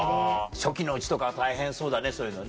初期のうちとかは大変そうだねそういうのね。